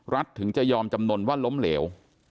ถึงจะยอมจำนวนว่าล้มเหลว